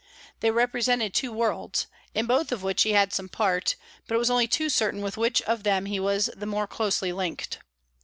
They represented two worlds, in both of which he had some part; but it was only too certain with which of them he was the more closely linked.